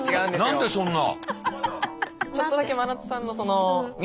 何でそんな。